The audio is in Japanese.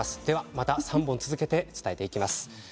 また３本続けてお伝えしていきます。